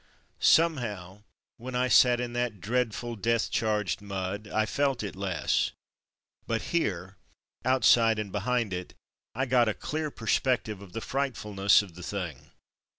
Somehow, when I sat in that dreadful death charged mud, I felt it less, but here — outside and behind it — I got a clear perspec tive of the frightfulness of the thing.